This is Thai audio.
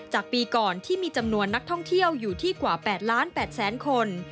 จากปีก่อนที่มีจำนวนนักท่องเที่ยวอยู่ที่กว่า๘ล้าน๘แสนคน